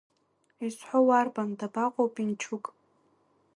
Изҳәо уарбан, дабаҟоу Пенчук?